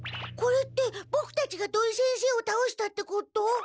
これってボクたちが土井先生を倒したってこと？